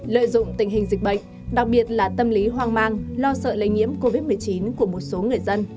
lợi dụng tình hình dịch bệnh đặc biệt là tâm lý hoang mang lo sợ lây nhiễm covid một mươi chín của một số người dân